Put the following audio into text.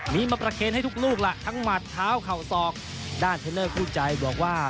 มีมาประเคนให้ทุกลูกล่ะทั้งหมัดเท้าเข่าศอกด้านเทลเลอร์คู่ใจบอกว่า